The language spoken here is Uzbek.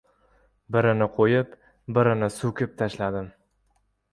Birini qo‘yib birini so‘kib tashladim.